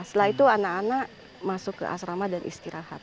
setelah itu anak anak masuk ke asrama dan istirahat